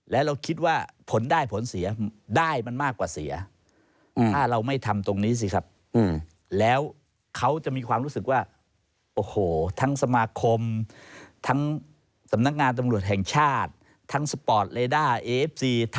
แต่วันนี้เนี่ยเราทำสำเร็จแล้ว